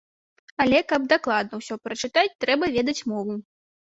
Але, каб дакладна ўсё прачытаць, трэба ведаць мову.